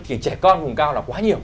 thì trẻ con vùng cao là quá nhiều